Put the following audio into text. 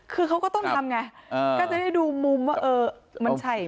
คือเขาก็ต้องทำไงก็จะได้ดูมุมว่าเออมันใช่